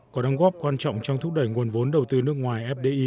có đóng góp quan trọng trong thúc đẩy nguồn vốn đầu tư nước ngoài fdi